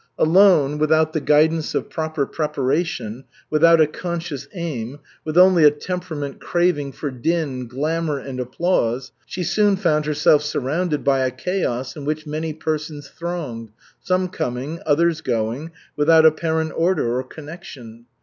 Alone, without the guidance of proper preparation, without a conscious aim, with only a temperament craving for din, glamor, and applause, she soon found herself surrounded by a chaos in which many persons thronged, some coming, others going, without apparent order or connection.